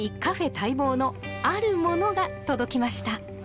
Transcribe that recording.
待望のあるものが届きました